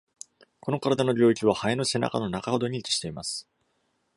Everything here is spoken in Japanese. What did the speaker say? この体の領域は、ハエの背中の中ほどに位置しています。